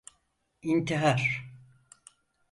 İntihar…